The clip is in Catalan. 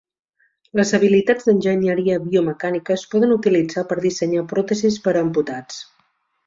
Les habilitats d'enginyeria biomecànica es poden utilitzar per dissenyar pròtesis per a amputats.